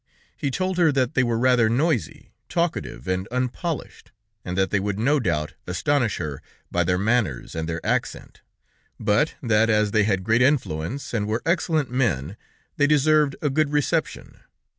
He told her that they were rather noisy, talkative, and unpolished, and that they would, no doubt, astonish her by their manners and their accent, but that, as they had great influence, and were excellent men, they deserved a good reception.